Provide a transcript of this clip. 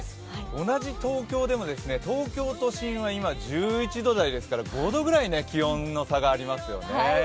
同じ東京でも東京都心は今１１度台ですから５度くらい気温の差がありますよね